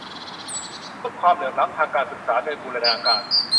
ลดความเหลื่อมล้ำทางการศึกษาโดยบูรณาการ